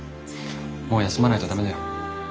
もう休まないと駄目だよ。